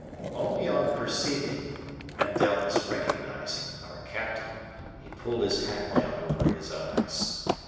Only on perceiving, and doubtless recognizing, our captain, he pulled his hat down over his eyes.